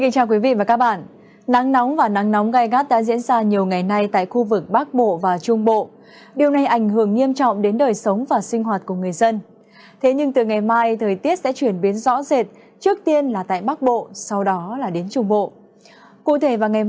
các bạn hãy đăng ký kênh để ủng hộ kênh của chúng mình nhé